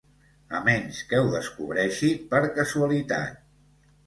A menys que ho descobreixi per casualitat.